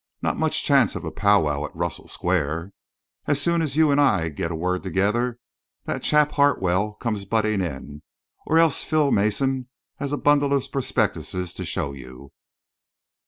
"Not much chance of a powwow at Russell Square. As soon as you and I get a word together, that chap Hartwell comes butting in, or else Phil Mason has a bundle of prospectuses to show you.